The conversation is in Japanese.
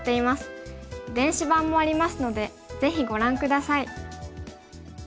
電子版もありますのでぜひご覧下さい。